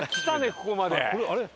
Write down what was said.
ここまで。